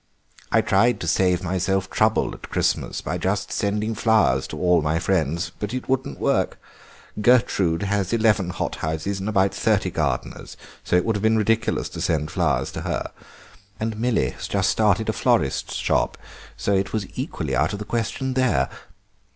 I tried to save myself trouble at Christmas by just sending flowers to all my friends, but it wouldn't work; Gertrude has eleven hot houses and about thirty gardeners, so it would have been ridiculous to send flowers to her, and Milly has just started a florist's shop, so it was equally out of the question there.